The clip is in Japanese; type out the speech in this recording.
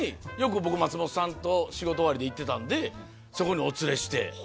よく松本さんと仕事終わりで行ってたんでそこにお連れして。